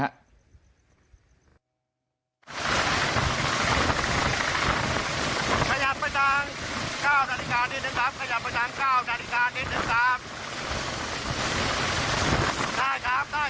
สะเก็บได้ครับสะเก็บได้ครับสะเก็บได้ครับได้ได้